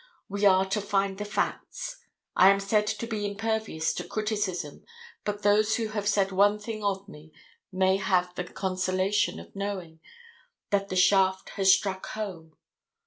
We are to find the facts. I am said to be impervious to criticism, but those who have said one thing of me may have the consolation of knowing that the shaft has struck home.